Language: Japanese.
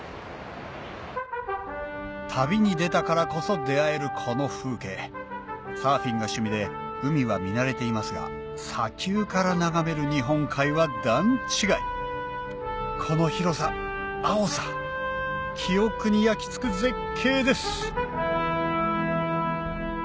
旅に出たからこそ出会えるこの風景サーフィンが趣味で海は見慣れていますが砂丘から眺める日本海は段違いこの広さ青さ記憶に焼き付く絶景です！